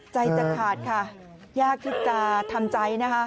จะขาดค่ะยากที่จะทำใจนะคะ